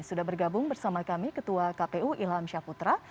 sudah bergabung bersama kami ketua kpu ilham syaputra